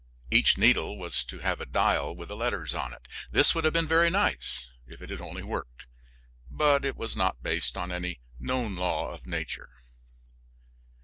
Each needle was to have a dial with the letters on it. This would have been very nice if it had only worked, but it was not based on any known law of nature.